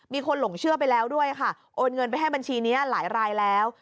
หลงเชื่อไปแล้วด้วยค่ะโอนเงินไปให้บัญชีนี้หลายรายแล้ว